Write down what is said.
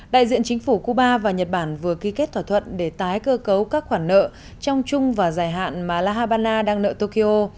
đại diện chính phủ cuba và nhật bản vừa ký kết thỏa thuận để tái cơ cấu các khoản nợ trong chung và dài hạn mà la habana đang nợ tokyo